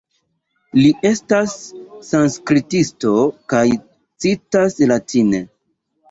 Li estas sanskritisto kaj citas latine.